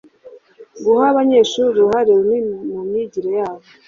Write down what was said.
guha abanyeshuri uruhare runini mu myigire yabo